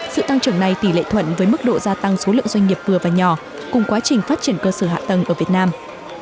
sự tăng trưởng này tỷ lệ thuận với mức độ gia tăng số lượng doanh nghiệp vừa và nhỏ cùng quá trình phát triển cơ sở hạ tầng ở việt nam